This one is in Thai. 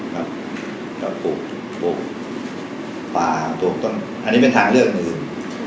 ปลูกปลูกป่าตรวงต้นอันนี้เป็นทางเลือกหนึ่ง